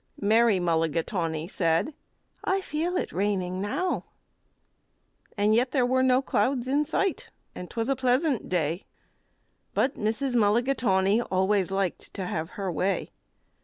Mary Mulligatawny said, "I feel it raining now." And yet there were no clouds in sight, and 'twas a pleasant day, But Mrs. Mulligatawny always liked to have her way.